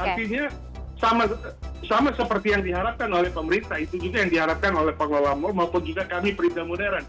artinya sama seperti yang diharapkan oleh pemerintah itu juga yang diharapkan oleh pengelola mal maupun juga kami perintah modern